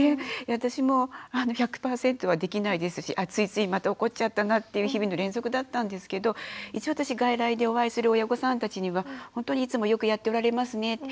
私も１００％はできないですしついついまた怒っちゃったなっていう日々の連続だったんですけど一応私外来でお会いする親御さんたちにはほんとにいつもよくやっておられますね